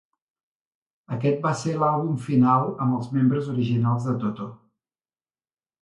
Aquest va ser l'àlbum final amb el membres originals de Toto.